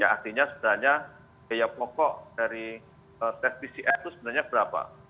artinya sebenarnya biaya pokok dari tes pcr itu sebenarnya berapa